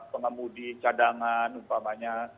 pememudi cadangan umpamanya